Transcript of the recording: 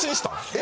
え